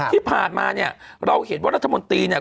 ที่ผ่านมาเนี่ยเราเห็นว่ารัฐมนตรีเนี่ย